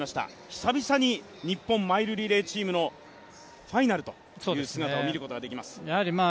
久々に日本マイルリレーチームのファイナルという姿を見ることができます。